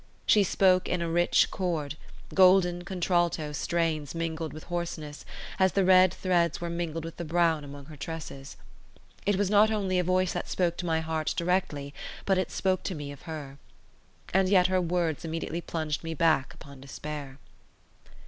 She spoke in a rich chord; golden contralto strains mingled with hoarseness, as the red threads were mingled with the brown among her tresses. It was not only a voice that spoke to my heart directly; but it spoke to me of her. And yet her words immediately plunged me back upon despair.